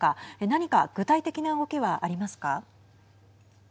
何か具体的な動きはありますか。